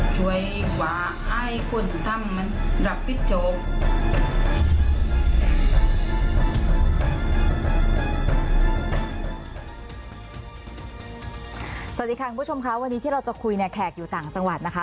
สวัสดีค่ะคุณผู้ชมค่ะวันนี้ที่เราจะคุยเนี่ยแขกอยู่ต่างจังหวัดนะคะ